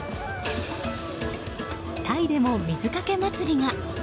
タイでも水かけ祭りが。